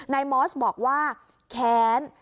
นายมอสบอกว่าแค้น